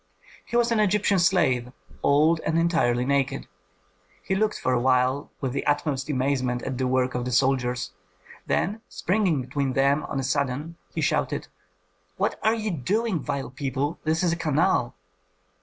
He was an Egyptian slave, old and entirely naked. He looked for a while with the utmost amazement at the work of the soldiers; then, springing between them on a sudden, he shouted, "What are ye doing, vile people? This is a canal."